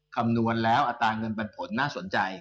คำนวณแล้วอัตราเงินปันผลน่าสนใจ